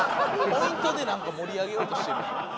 ポイントでなんか盛り上げようとしてる。